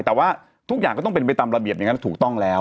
แต่ว่าทุกอย่างก็ต้องเป็นไปตามระเบียบอย่างนั้นถูกต้องแล้ว